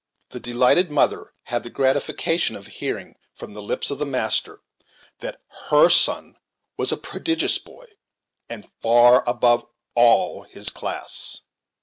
The delighted mother had the gratification of hearing, from the lips of the master, that her son was a "prodigious boy, and far above all his class."